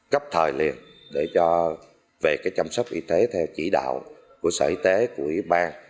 cấp thời liền để cho về cái chăm sóc y tế theo chỉ đạo của sở y tế của y bàn